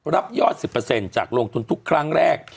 รับยอด๑๐จากลงทุนทุกครั้งแรก